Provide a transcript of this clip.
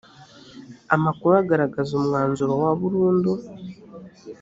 amakuru agaragaza umwanzuro waburundu.